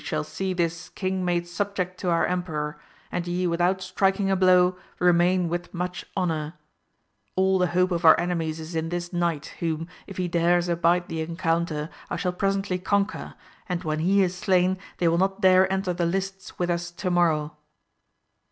shall see this king made subject to our emperor, and ye without striking a blow, remain with much honour; all the hope of our enemies is in this knight, whom, if he dares abide the encounter, I shall presently conquer, and when he is slain they will not dare enter the lists with us to morrow.